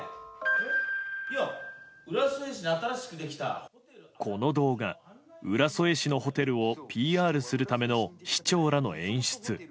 え、いや、この動画、浦添市のホテルをＰＲするための市長らの演出。